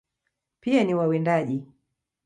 Pia ni wawindaji.